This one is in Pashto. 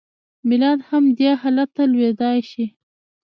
ملت هم دې حالت ته لوېدای شي.